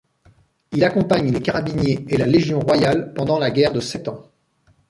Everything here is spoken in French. Il accompagne les carabiniers et la Légion royale pendant la guerre de Sept Ans.